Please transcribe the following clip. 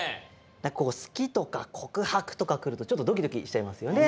「好き」とか「告白」とかくるとちょっとドキドキしちゃいますよね。